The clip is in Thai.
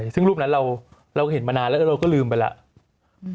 ซึ่งรูปนั้นเราเห็นมานานแล้วเราก็ลืมไปแล้ว